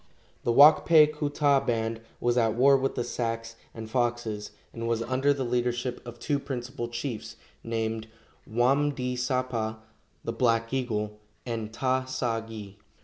The Wak pe ku ta band was at war with the Sacs and Foxes, and was under the leadership of two principal chiefs, named Wam di sapa (the "Black Eagle") and Ta sa gi.